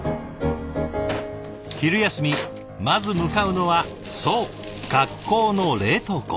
昼休みまず向かうのはそう学校の冷凍庫。